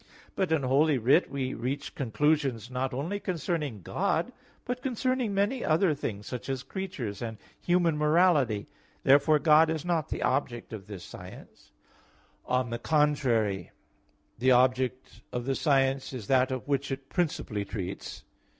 But in Holy Writ we reach conclusions not only concerning God, but concerning many other things, such as creatures and human morality. Therefore God is not the object of this science. On the contrary, The object of the science is that of which it principally treats.